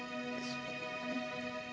masih ya allah